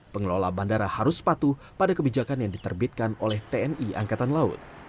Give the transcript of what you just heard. pengelola bandara harus patuh pada kebijakan yang diterbitkan oleh tni angkatan laut